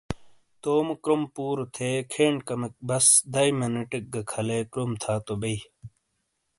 تومو کروم پُورو تھے کھین کمیک بس دئیی مِنٹیک گہ کھَلے کروم تھا تو بئی۔